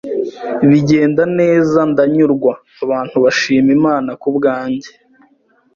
bigenda neza ndanyurwa, abantu bashima Imana ku bwanjye